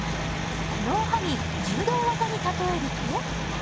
このおはぎ柔道技に例えると？